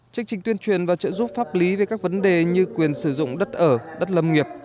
chương trình tuyên truyền và trợ giúp pháp lý về các vấn đề như quyền sử dụng đất ở đất lâm nghiệp